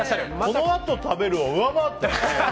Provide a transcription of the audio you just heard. この後食べるを上回ってる。